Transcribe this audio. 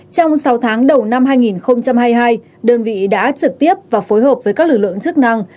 trong sáu tháng đầu năm hai nghìn hai mươi hai đơn vị đã trực tiếp và phối hợp với các lực lượng chức năng